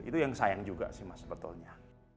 itu yang sayang juga sih mas sebetulnya